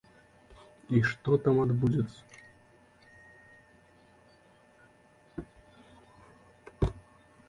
І што там адбудзецца?